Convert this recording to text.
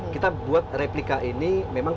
kita buat replika ini memang